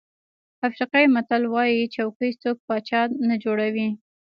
افریقایي متل وایي چوکۍ څوک پاچا نه جوړوي.